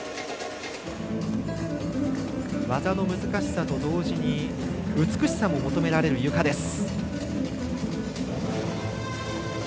技の難しさと同時に美しさも求められるゆかです。